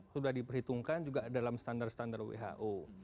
sudah diperhitungkan juga dalam standar standar who